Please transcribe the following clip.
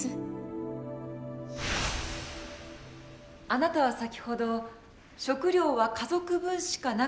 あなたは先ほど食料は家族分しかなかったと言いました。